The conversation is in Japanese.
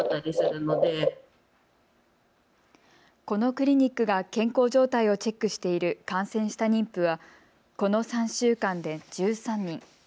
このクリニックが健康状態をチェックしている感染した妊婦はこの３週間で１３人。